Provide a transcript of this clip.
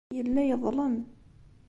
Yella yeḍlem.